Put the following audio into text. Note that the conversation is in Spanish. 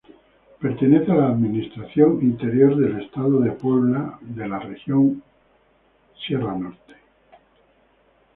Pertenece a la administración interior del estado de Puebla a la Región Sierra Norte.